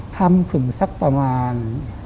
ทำถึงสักประมาณ